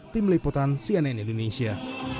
tim liputan cnn indonesia